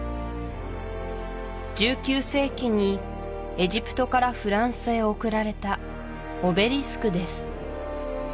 １９世紀にエジプトからフランスへ贈られたオベリスクです